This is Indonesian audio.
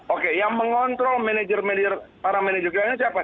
oke yang mengontrol para manajer kilang itu siapa